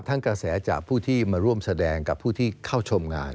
กระแสจากผู้ที่มาร่วมแสดงกับผู้ที่เข้าชมงาน